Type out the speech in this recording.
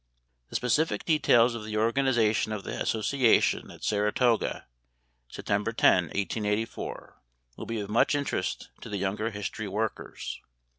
The specific details of the organization of the association at Saratoga, September 10, 1884 will be of much interest to the younger history workers.